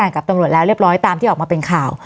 วันนี้แม่ช่วยเงินมากกว่า